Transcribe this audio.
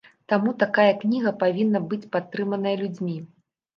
Таму такая кніга павінна быць падтрыманая людзьмі!